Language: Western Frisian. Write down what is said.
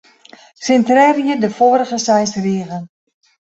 Sintrearje de foarige seis rigen.